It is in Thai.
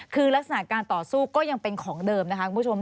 คือลักษณะการต่อสู้ก็ยังเป็นของเดิมนะคะคุณผู้ชม